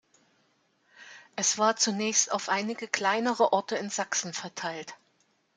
Es war zunächst auf einige kleinere Orte in Sachsen verteilt.